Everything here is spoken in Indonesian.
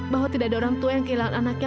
bahwa tidak ada orang tua yang kehilangan anaknya